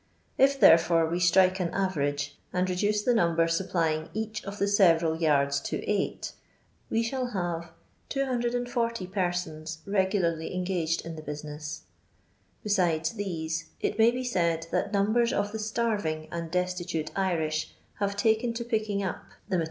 If, therefore, we strike an average, and reduce the number supplying each of the several yards to eight, we shall have 240 persons re gularly engaged in the biuiness : besides these, it may be said that numben of the starving and destitute Irish have taken to picking up the ma LONDON LABOUR AND THE LONDON POOR.